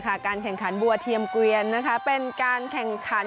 การแข่งขันบัวเทียมเกวียนเป็นการแข่งขัน